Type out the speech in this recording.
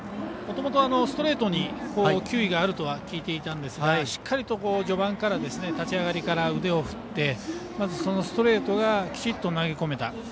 もともとストレートに球威があるとは聞いていたんですがしっかり立ち上がりから腕を振りまず、そのストレートがきちっと投げ込めた。